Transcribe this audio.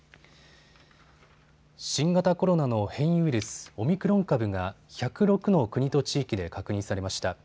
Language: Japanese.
新型コロナの変異ウイルス、オミクロン株が１０６の国と地域で確認されました。